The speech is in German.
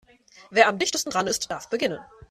Wer am dichtesten dran ist, darf beginnen.